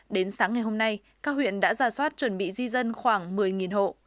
đến sáng ngày hôm nay các huyện đã ra soát chuẩn bị di dân khoảng một mươi hộ